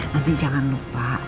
nanti jangan lupa